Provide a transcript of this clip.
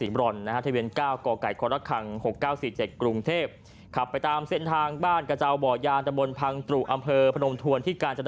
มันก็ขับรถชนตำรวจ